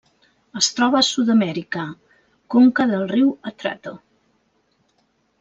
Es troba a Sud-amèrica: conca del riu Atrato.